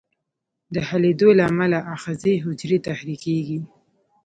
د حلېدو له امله آخذوي حجرې تحریکیږي.